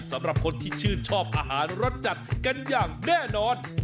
สำหรับคนที่ชื่นชอบอาหารรสจัดกันอย่างแน่นอน